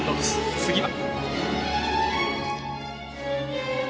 次は。